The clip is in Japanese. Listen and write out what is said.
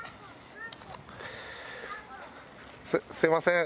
すいません。